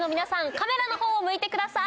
カメラの方を向いてください。